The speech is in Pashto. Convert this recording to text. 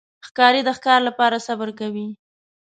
ښکاري د ښکار لپاره صبر کوي.